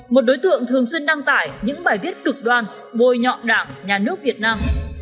một đối tượng thường xuyên đăng tải những bài viết cực đoan bôi nhọn đảng nhà nước việt nam